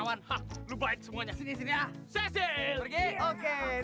terima kasih kawan pukul baik semuanya tidak ngeharaphour